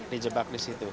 dijebak di situ